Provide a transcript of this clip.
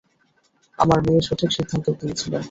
আমার মেয়ে সঠিক সিদ্ধান্ত নিয়েছিল।